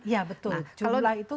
jumlah ya betul